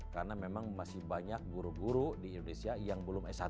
karena memang masih banyak guru guru di indonesia yang belum s satu